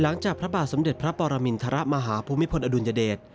หลังจากพระบาทสมเด็จพระปอรมินทระมหาภูมิพลอดุลยเดช